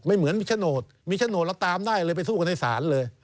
ไม่เหมือนมีชโนธมีชโนธแล้วตามได้เลยไปสู้กันให้สารเลย